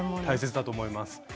大切だと思います。